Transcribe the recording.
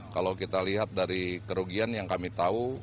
kalau kita lihat dari kerugian yang kami tahu